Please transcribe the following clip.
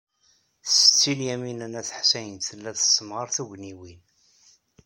Setti Lyamina n At Ḥsayen tella tessemɣar tugniwin.